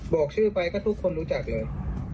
บอกชื่อไปก็ทุกคนรู้จักเลย